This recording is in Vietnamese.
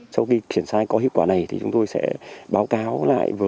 sau khi kiểm tra có hiệu quả này thì chúng tôi sẽ báo cáo lại với